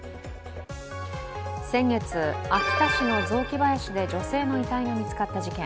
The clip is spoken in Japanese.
先月、秋田市の雑木林で女性の遺体が見つかった事件。